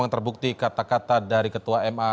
terbukti kata kata dari ketua ma